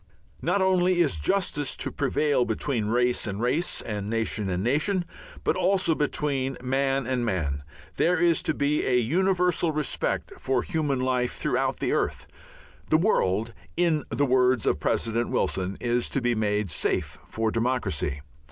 Not only is justice to prevail between race and race and nation and nation, but also between man and man; there is to be a universal respect for human life throughout the earth; the world, in the words of President Wilson, is to be made "safe for democracy."